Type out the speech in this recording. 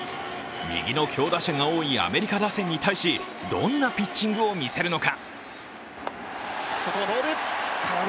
右の強打者が多いアメリカ打線に対しどんなピッチングを見せるのか。